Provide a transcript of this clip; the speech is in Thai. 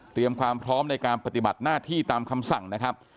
ความพร้อมในการปฏิบัติหน้าที่ตามคำสั่งนะครับ